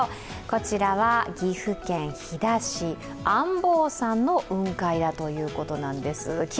こちらは岐阜県飛騨市、安峰山の雲海だということなんです。